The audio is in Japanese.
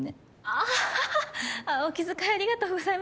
あぁははっあっお気遣いありがとうございます。